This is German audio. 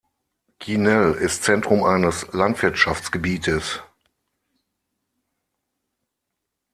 Kinel ist Zentrum eines Landwirtschaftsgebietes.